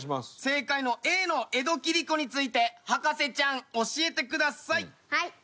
正解のＡの江戸切子について博士ちゃん教えてください。